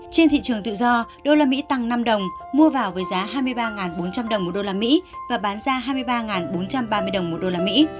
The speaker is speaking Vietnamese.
trên thị trường tự do đô la mỹ tăng năm đồng mua vào với giá hai mươi ba bốn trăm linh đồng một đô la mỹ và bán ra hai mươi ba bốn trăm ba mươi đồng một đô la mỹ